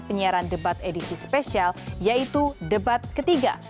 penyiaran debat edisi spesial yaitu debat ketiga